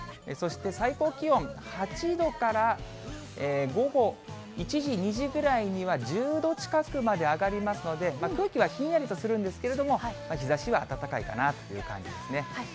そして最高気温、８度から、午後１時、２時くらいには１０度近くまで上がりますので、空気はひんやりとするんですけれども、日ざしは暖かいかなという感じですね。